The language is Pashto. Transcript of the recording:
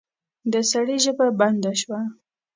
د سړي ژبه بنده شوه.